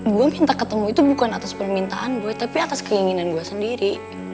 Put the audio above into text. saya meminta ketemu bukan atas permintaan saya tapi atas keinginan saya sendiri